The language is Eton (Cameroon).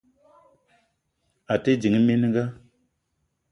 A te ding mininga.